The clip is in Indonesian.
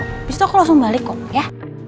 habis itu aku langsung balik kok ya